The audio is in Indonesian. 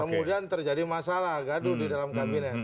kemudian terjadi masalah gaduh di dalam kabinet